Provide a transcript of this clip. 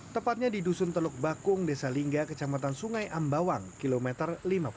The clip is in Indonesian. tepatnya di dusun teluk bakung desa lingga kecamatan sungai ambawang kilometer lima puluh